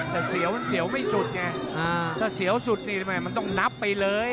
แต่เสียวมันเสียวไม่สุดไงถ้าเสียวสุดนี่มันต้องนับไปเลย